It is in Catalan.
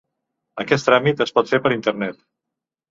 Aquest tràmit es pot fer per internet.